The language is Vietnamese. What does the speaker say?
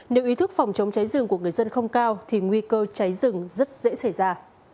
nếu ý thức phòng chống cháy rừng của người dân không cao thì nguy cơ cháy rừng rất dễ xảy ra